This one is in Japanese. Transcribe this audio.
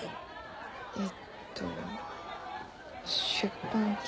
えっと出版系。